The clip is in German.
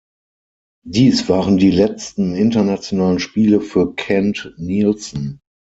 Dies waren die letzten internationalen Spiele für Kent Nielsen.